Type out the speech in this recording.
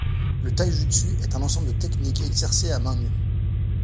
Le Taijustu est un ensemble de technique exercé à mains nues.